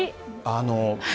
あの。